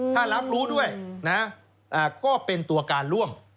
ถ้ารับรู้ด้วยนะก็เป็นตัวการร่วม